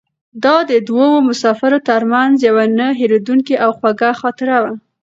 دا د دوو مسافرو تر منځ یوه نه هېرېدونکې او خوږه خاطره وه.